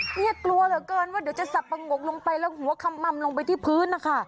เนี่ยกลัวเหลือเกินว่าเดี๋ยวจะสับปะงกลงไปแล้วหัวขม่ำลงไปที่พื้นนะคะ